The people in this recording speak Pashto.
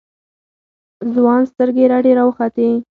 ځوان سترگې رډې راوختې.